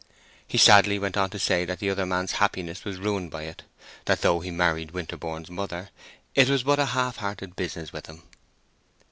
He sadly went on to say that the other man's happiness was ruined by it; that though he married Winterborne's mother, it was but a half hearted business with him.